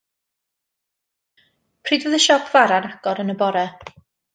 Pryd fydd y siop fara yn agor yn y bore?